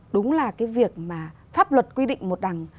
đúng là cái việc mà pháp luật quy định một đằng